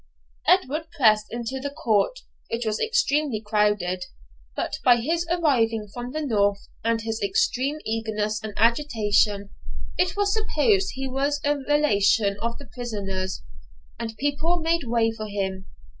Edward pressed into the court, which was extremely crowded; but by his arriving from the north, and his extreme eagerness and agitation, it was supposed he was a relation of the prisoners, and people made way for him.